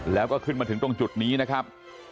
แล้วก็ขึ้นมาถึงตรงจุดนี้นะครับ